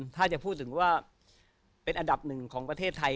ถ้าจะพูดถึงว่าเป็นอันดับหนึ่งของประเทศไทย